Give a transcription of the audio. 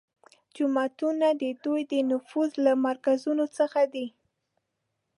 جوماتونه د دوی د نفوذ له مرکزونو څخه دي